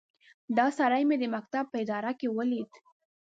دا سړی مې د مکتب په اداره کې وليد.